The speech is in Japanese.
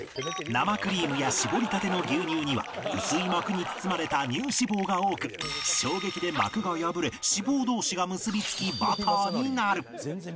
生クリームや搾りたての牛乳には薄い膜に包まれた乳脂肪が多く衝撃で膜が破れ脂肪同士が結びつきバターになる